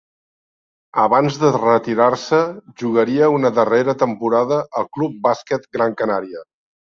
Abans de retirar-se jugaria una darrera temporada al Club Bàsquet Gran Canària.